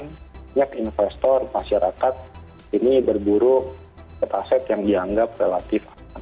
maka banyak investor masyarakat ini berburu aset aset yang dianggap relatif